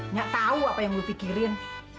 nyak tau apa yang lu pikirin